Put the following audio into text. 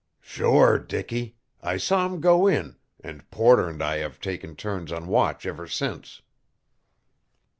"Sure, Dicky. I saw him go in, and Porter and I have taken turns on watch ever since."